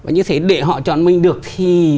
như thế để họ chọn mình được thì